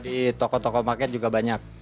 di toko toko market juga banyak